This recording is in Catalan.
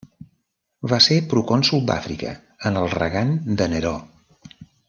Va ser procònsol d'Àfrica en el regant de Neró.